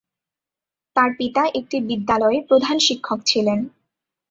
তার পিতা একটি বিদ্যালয়ের প্রধান শিক্ষক ছিলেন।